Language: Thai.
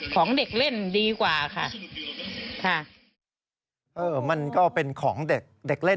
ของเด็กเล่นดีกว่าค่ะเออมันก็เป็นของเด็กเด็กเล่น